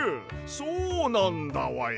そうなんだわや！